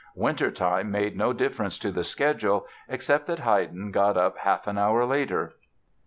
Wintertime made no difference to the schedule, except that Haydn got up half an hour later."